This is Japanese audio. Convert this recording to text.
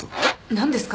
何ですか？